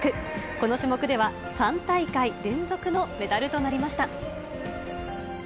この種目では、３大会連続のメダルとなりました。